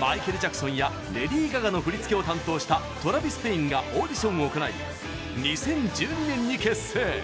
マイケル・ジャクソンやレディー・ガガの振り付けを担当したトラヴィス・ペインがオーディションを行い２０１２年に結成。